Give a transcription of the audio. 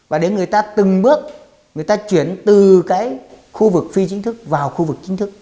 và để người ta từng bước người ta chuyển từ cái khu vực phi chính thức vào khu vực chính thức